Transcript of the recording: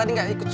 ingat itu ya